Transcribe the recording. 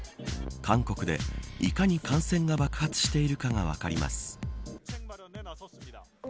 韓国で、いかに感染が爆発しているかが分かります。